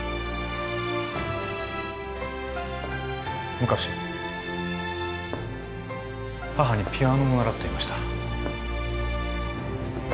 昔母にピアノを習っていました